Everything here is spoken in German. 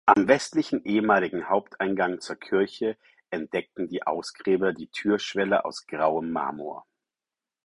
Am westlichen ehemaligen Haupteingang zur Kirche entdeckten die Ausgräber die Türschwelle aus grauem Marmor.